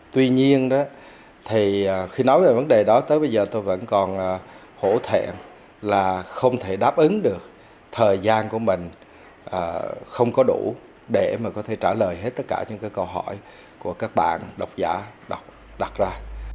tuy nhiên khi nói về vấn đề đó tới bây giờ tôi vẫn còn hỗn hệ là không thể đáp ứng được thời gian của mình không có đủ để mà có thể trả lời hết tất cả những câu hỏi của các bạn đọc giả đặt ra